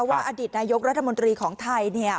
อดีตนายกรัฐมนตรีของไทยเนี่ย